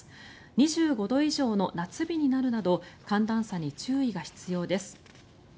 ２５度以上の夏日になるなど寒暖差に注意が必要です。